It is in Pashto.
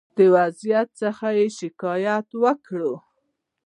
د وضع څخه یې شکایت وکړ.